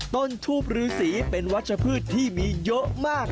ต้นทูบฤษีเป็นวัชพฤติที่มีเยอะมาก